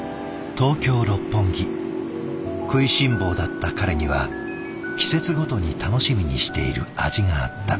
食いしん坊だった彼には季節ごとに楽しみにしている味があった。